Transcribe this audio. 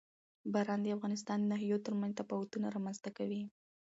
باران د افغانستان د ناحیو ترمنځ تفاوتونه رامنځ ته کوي.